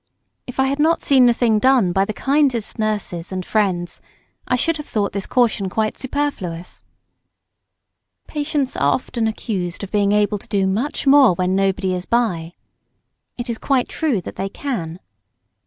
If I had not seen the thing done by the kindest nurses and friends, I should have thought this caution quite superfluous. [Sidenote: Patients dread surprise.] Patients are often accused of being able to "do much more when nobody is by." It is quite true that they can.